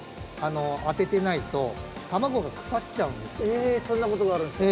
えそんなことがあるんですか。